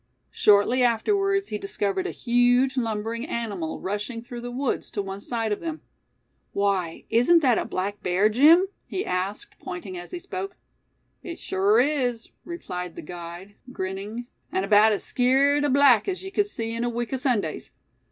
Shortly afterwards he discovered a huge lumbering animal rushing through the woods to one side of them. "Why, isn't that a black bear, Jim?" he asked, pointing as he spoke. "It sure is," replied the guide, grinning; "an' 'baout as skeered a black as ye cud see in a week o' Sundays.